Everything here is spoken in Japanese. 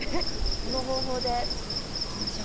この方法でいきましょう。